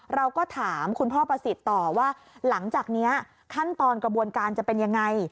เราก็ถามคุณพ่อประสิทธิ์ต่อว่าหลังจากนี้ขั้นตอนกระบวนการจะเป็นยังไง